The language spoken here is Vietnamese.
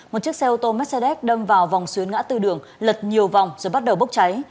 một chiếc xe ô tô mercedes đâm vào vòng xuyến ngã tư đường lật nhiều vòng rồi bắt đầu bốc cháy